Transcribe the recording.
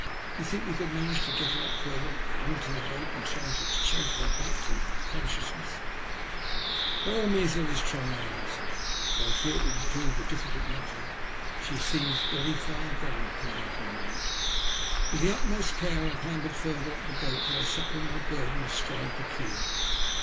Do you think we could manage to get her up further on to the boat and then try to chafe her back to conciousness ?"" By all means let us try," I answered, " though I fear it will prove a difficult matter. She seems very far gone, poor little mite." With the utmost care I clambered further up the boat till I sat with my burden astride the keel.